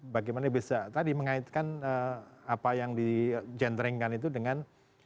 bagaimana bisa tadi mengaitkan apa yang di gentrengkan itu dengan